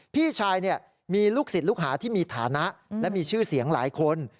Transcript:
พี่ชายมีลูกศิษย์ลูกหาที่มีฐานะและมีชื่อเสียงหลายคน